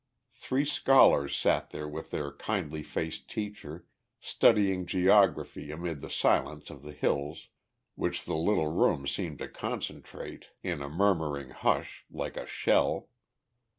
Three scholars sat there with their kindly faced teacher, studying geography amid the silence of the hills, which the little room seemed to concentrate in a murmuring hush, like a shell.